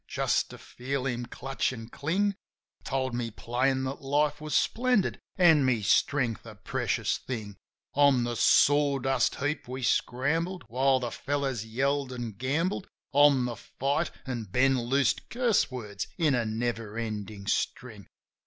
Just to feel him clutch an' cling Told me plain that life was splendid an' my strength a precious thing. On the sawdust heap we scrambled, while the fellows yelled an' gambled On the fight; an' Ben loosed curse words in a never endin' string.